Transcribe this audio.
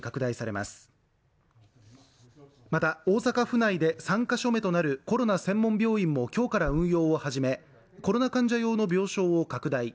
また大阪府内で３か所目となるコロナ専門病院もきょうから運用を始めコロナ患者用の病床を拡大